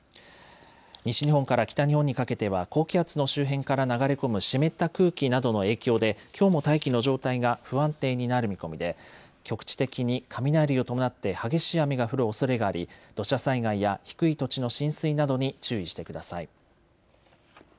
西日本から北日本にかけては高気圧の周辺から流れ込む湿った空気などの影響できょうも大気の状態が不安定になる見込みで局地的に雷を伴って激しい雨が降るおそれがあり土砂災害や低い土地の浸水などに注意してください。